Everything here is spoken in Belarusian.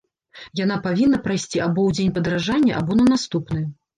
Яна павінна прайсці або ў дзень падаражання, або на наступны.